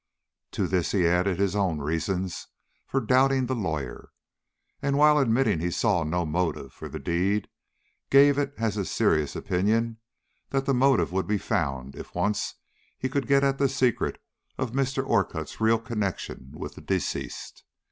To this he added his own reasons for doubting the lawyer, and, while admitting he saw no motive for the deed, gave it as his serious opinion, that the motive would be found if once he could get at the secret of Mr. Orcutt's real connection with the deceased.